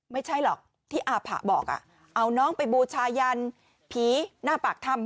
ไม่ใช่หรอกที่อาผะบอกเอาน้องไปบูชายันผีหน้าปากถ้ำ